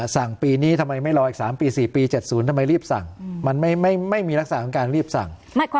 สั่งปีนี้ทำไมไม่รออีก๓ปี๔ปี๗๐ทำไมรีบสั่งมันไม่มีลักษณะของการรีบสั่ง